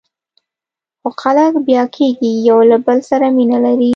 خو خلک بیا کېږي، یو له بل سره مینه لري.